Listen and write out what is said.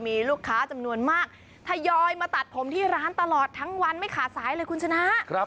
มีลูกค้าจำนวนมากทยอยมาตัดผมที่ร้านตลอดทั้งวันไม่ขาดสายเลยคุณชนะ